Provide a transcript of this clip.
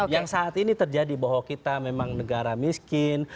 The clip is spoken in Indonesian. yang saat ini terjadi bahwa kita memang negara miskin